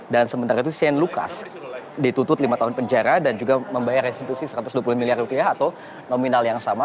dan sementara itu shane lucas dituntut lima tahun penjara dan juga membayar restitusi satu ratus dua puluh miliar rupiah atau nominal yang sama